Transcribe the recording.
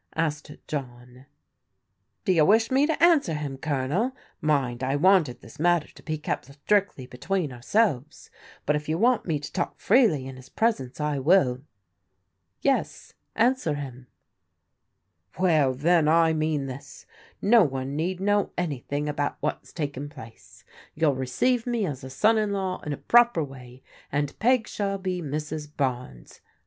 asked John. "Do you wish me to answer him, Colonel? Mind, I wanted this matter to be kept strictly between ourselves, but if you want me to talk freely in his presence I will." Yes, answer him." Well, then, I mean this : no one need know anything about whafs taken place. You'll receive me ^s ^ %«a vQr « f< 176 PBODIGAL DAUGHTERS law in a proper way, and P^ shall be Mrs. Barnes.